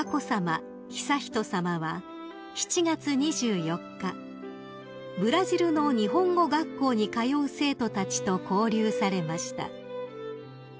悠仁さまは７月２４日ブラジルの日本語学校に通う生徒たちと交流されました］